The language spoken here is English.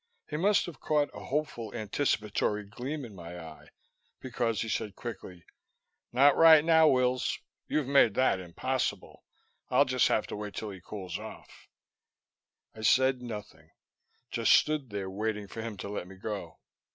He must have caught a hopeful anticipatory gleam in my eye, because he said quickly, "Not right now, Wills. You've made that impossible. I'll just have to wait until he cools off." I said nothing; just stood there waiting for him to let me go.